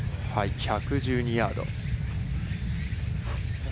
１１２ヤード。